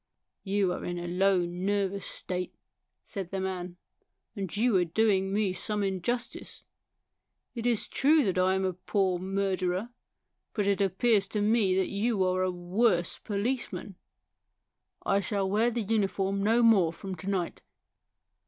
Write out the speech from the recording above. You are in a low, nervous state," said the man ;" and you are doing me some injustice. It is true that I am a poor murderer ; but it appears to me that you are a worse police man." " I shall wear the uniform no more from to night."